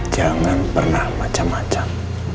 jangan pernah macem macem